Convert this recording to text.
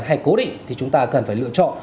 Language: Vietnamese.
hay cố định thì chúng ta cần phải lựa chọn